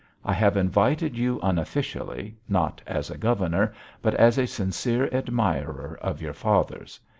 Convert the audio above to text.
I have invited you unofficially not as a governor, but as a sincere admirer of your father's.